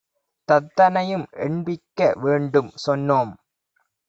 தத்தனையும் எண்பிக்க வேண்டும் சொன்னோம்!.